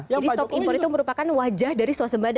jadi stop impor itu merupakan wajah dari swasembada